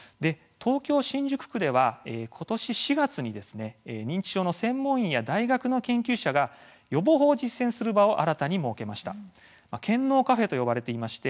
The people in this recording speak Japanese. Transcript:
東京・新宿区ではことし４月に認知症の専門医や大学の研究者が予防法を実践する場を新たに設けました。